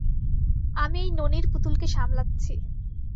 আমি এই ননীর পুতুলকে সামলাচ্ছি।